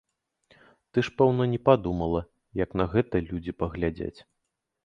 Ты ж, пэўна, не падумала, як на гэта людзі паглядзяць.